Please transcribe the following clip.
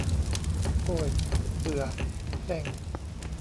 โอ่ย เบื่อ เซ็ง